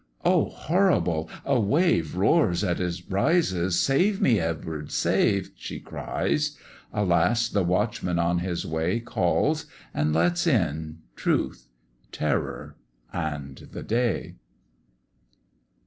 "Oh! horrible! a wave Roars as it rises save me, Edward! save!" She cries: Alas! the watchman on his way Calls, and lets in truth, terror, and the day!